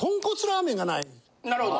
なるほど！